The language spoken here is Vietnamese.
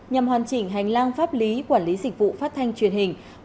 nhằm hoàn chỉnh hành lang pháp lý quản lý dịch vụ phát thanh truyền hình